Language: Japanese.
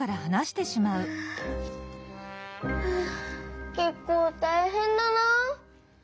ふっけっこうたいへんだな。